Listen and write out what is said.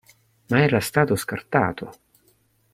Ma era stato scartato.